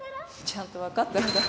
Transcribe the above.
ちゃんとわかってんだ。